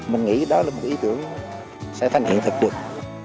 mình nghĩ đó là một ý tưởng sẽ phát hiện thực tuyệt